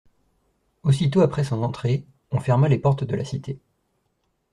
Aussitôt après son entrée, on ferma les portes de la cité.